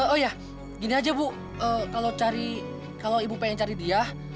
oh ya gini aja bu kalau ibu pengen cari dia